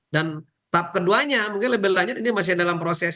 dan tahap keduanya mungkin lebih lanjut ini masih dalam proses